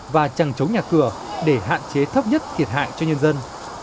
và chẳng chống nhà cửa để hạn chế thấp nhất thiệt hại cho nhân dân